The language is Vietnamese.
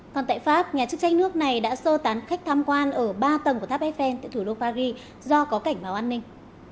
còn tại pháp nhà chức tranh nước này đã sơ tán khách tham quan ở ba tầng của tháp eiffel tại thủ đô paris do có cảnh báo an ninh